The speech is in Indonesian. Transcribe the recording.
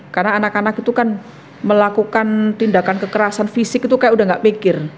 karena anak anak itu kan melakukan tindakan kekerasan fisik itu sudah tidak berpikir